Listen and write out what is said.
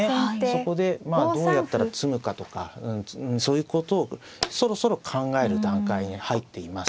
そこでどうやったら詰むかとかそういうことをそろそろ考える段階に入っています。